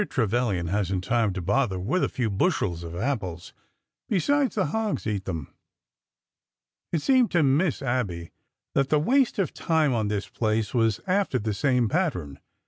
Tre vilian has n't time to bother with a few bushels of apples. Besides, the hogs eat them." It seemed to Miss Abby that the waste of time on this place was after the same pattern.